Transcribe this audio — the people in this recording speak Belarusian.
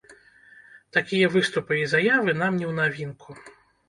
Такія выступы і заявы нам не ў навінку.